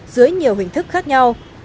dưới nhiều hình thức khác nhau